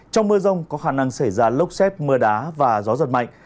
trong mưa rông có khả năng xảy ra lốc xét mưa đá và gió giật mạnh